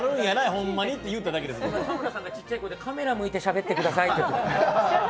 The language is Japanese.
田村さんがちっちゃい声でカメラ向いてしゃべってくださいって。